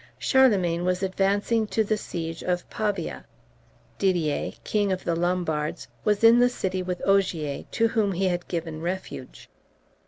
Charlemagne was advancing to the siege of Pavia. Didier, King of the Lombards, was in the city with Ogier, to whom he had given refuge.